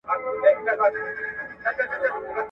آیا ویډیو زنګ تر غږیز زنګ روښانه دی؟